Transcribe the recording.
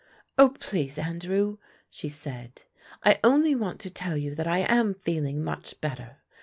"Oh, please, Andrew," she said, "I only want to tell you that I am feeling much better.